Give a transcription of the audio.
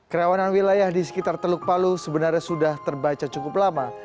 kerawanan wilayah di sekitar teluk palu sebenarnya sudah terbaca cukup lama